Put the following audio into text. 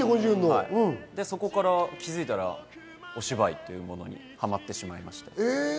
そこから気づいたらお芝居というものにはまっていました。